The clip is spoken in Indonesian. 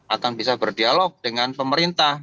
akan bisa berdialog dengan pemerintah